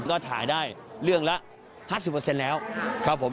ก็ถ่ายได้เรื่องละ๕๐แล้วครับผม